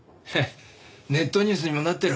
ネットニュースにもなってる。